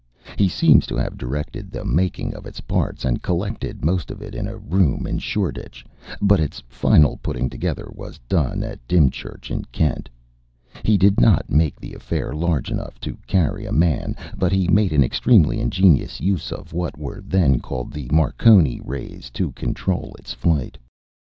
He seems to have directed the making of its parts and collected most of it in a room in Shoreditch, but its final putting together was done at Dymchurch, in Kent. He did not make the affair large enough to carry a man, but he made an extremely ingenious use of what were then called the Marconi rays to control its flight.